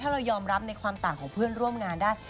เรายอมรับในความต่างของเพื่อนร่วมงานได้